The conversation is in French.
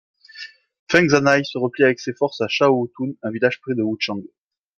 Feng Zhanhai se replie avec ses forces à Shan-Ho-Tun, un village près de Wuchang.